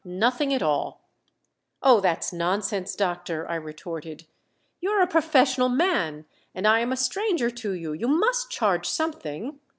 "Nothing at all." "Oh, that's nonsense, doctor," I retorted. "You are a professional man, and I am a stranger to you you must charge something."